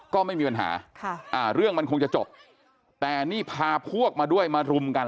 ก็ไม่มีปัญหาเรื่องมันคงจะจบแต่นี่พาพวกมาด้วยมารุมกัน